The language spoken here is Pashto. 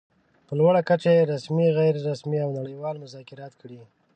په لوړه کچه يې رسمي، غیر رسمي او نړۍوال مذاکرات کړي.